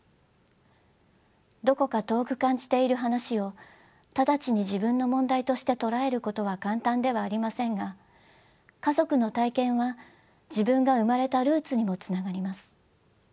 どこか遠く感じている話を直ちに自分の問題として捉えることは簡単ではありませんが家族の体験は自分が生まれたルーツにもつながります。